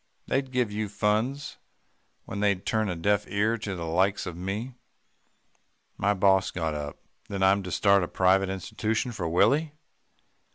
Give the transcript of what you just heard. They'd give you funds, when they'd turn a deaf ear to the likes of me.' "My boss got up. 'Then I'm to start a private institution for Willie?